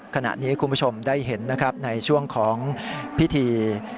ขณะนี้คุณผู้ชมได้เห็นนะครับในช่วงของพิธี